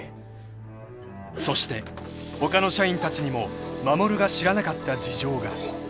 ［そして他の社員たちにも衛が知らなかった事情が］